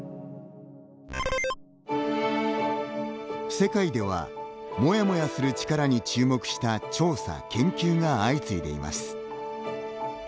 世界ではモヤモヤする力に注目した調査研究が相次いでいます。